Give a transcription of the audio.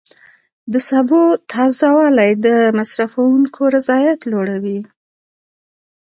د سبو تازه والی د مصرفونکو رضایت لوړوي.